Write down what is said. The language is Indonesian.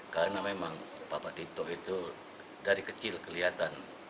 karena memang bapak tito itu dari kecil kelihatan